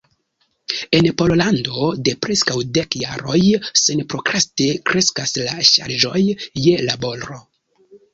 En Pollando de preskaŭ dek jaroj senprokraste kreskas la ŝarĝoj je laboro.